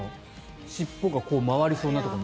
尻尾が回りそうなところに。